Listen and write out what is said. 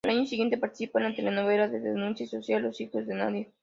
Al año siguiente participa en la telenovela de denuncia social "Los hijos de nadie".